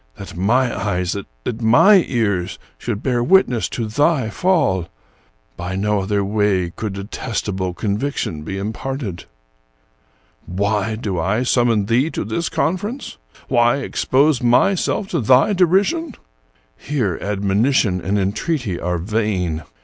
That my eyes, that my ears, should bear witness to thy fall! By no other way could detestable conviction be imparted. "Why do I summon thee to this conference? Why ex pose myself to thy derision? Here admonition and en treaty are vain.